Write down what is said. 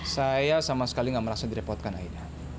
saya sama sekali nggak merasa direpotkan akhirnya